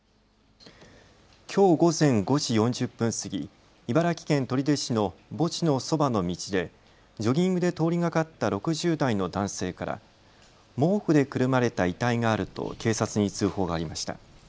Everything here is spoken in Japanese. きょう午前５時４０分過ぎ、茨城県取手市の墓地のそばの道でジョギングで通りがかった６０代の男性から毛布でくるまれた遺体があると警察に通報がありました。